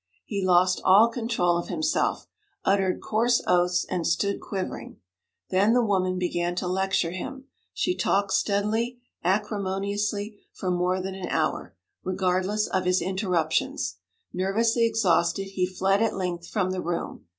He lost all control of himself, uttered coarse oaths, and stood quivering. Then the woman began to lecture him; she talked steadily, acrimoniously, for more than an hour, regardless of his interruptions. Nervously exhausted, he fled at length from the room.